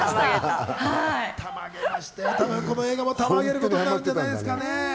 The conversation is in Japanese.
この映画もたまげることになるんじゃないですかね。